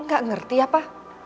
gak ngerti apa